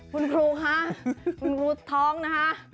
คุณครูคะคุณครูท้องนะคะ